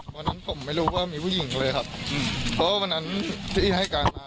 วันนั้นผมไม่รู้ว่ามีผู้หญิงเลยครับเพราะว่าวันนั้นพี่อี้ให้การมา